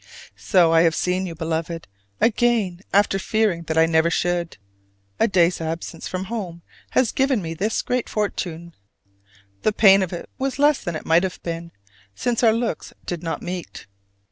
So I have seen you, Beloved, again, after fearing that I never should. A day's absence from home has given me this great fortune. The pain of it was less than it might have been, since our looks did not meet.